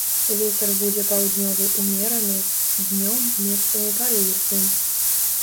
Вецер будзе паўднёвы ўмераны, днём месцамі парывісты.